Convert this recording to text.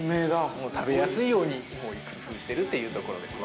もう食べやすいように工夫しているというところですね。